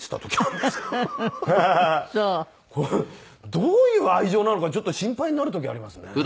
どういう愛情なのかちょっと心配になる時ありますね。